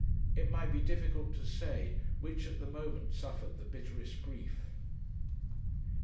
It might be difficult to say which at the moment suffered the bitterest grief.